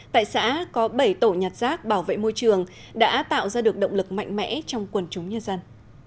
tại xã có bảy tổ nhặt rác bảo vệ môi trường đã tạo ra được động lực mạnh mẽ trong quần chúng nhân dân